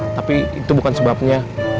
tapi itu bukan sebabnya